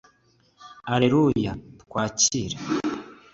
alleluya, twakire